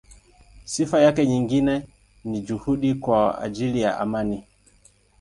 Sifa yake nyingine ni juhudi kwa ajili ya amani.